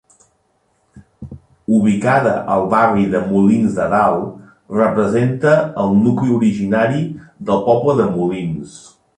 Ubicada al barri de Molins de dalt, representa el nucli originari del poble de Molins.